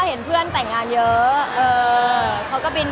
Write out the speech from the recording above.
มันเป็นเรื่องน่ารักที่เวลาเจอกันเราต้องแซวอะไรอย่างเงี้ย